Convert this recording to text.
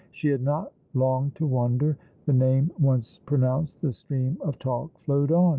She had not long to wonder. The name once pronounced, the stream of talk flowed on.